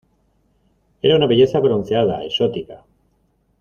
era una belleza bronceada, exótica